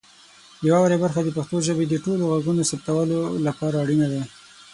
د واورئ برخه د پښتو ژبې د ټولو غږونو د ثبتولو لپاره اړینه ده.